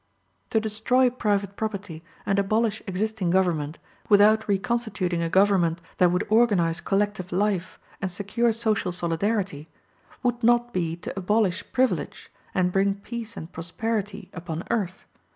To destroy private property and abolish existing government, without reconstituting a government that would organize collective life and secure social solidarity, would not be to abolish privilege, and bring peace and prosperity upon earth.